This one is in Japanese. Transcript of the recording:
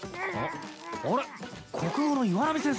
国語の岩波先生。